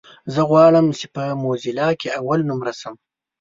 زه غواړم چې په موزيلا کې اولنومره شم.